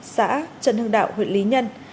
xã trần hưng đạo huyện lý nhân